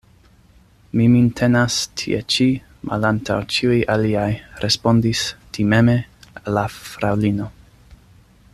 Mi min tenas tie ĉi, malantaŭ ĉiuj aliaj, respondis timeme la fraŭlino.